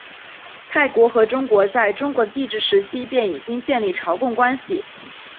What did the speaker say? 泰国和中国在中国的帝制时期便已经建立朝贡关系。